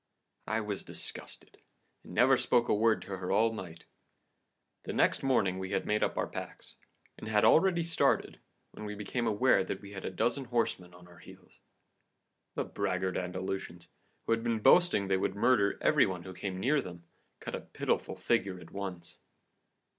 "I was disgusted, and never spoke a word to her all night. The next morning we had made up our packs, and had already started, when we became aware that we had a dozen horsemen on our heels. The braggart Andalusians, who had been boasting they would murder every one who came near them, cut a pitiful figure at once.